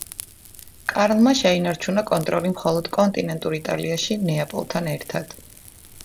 კარლმა შეინარჩუნა კონტროლი მხოლოდ კონტინენტურ იტალიაში ნეაპოლთან ერთად.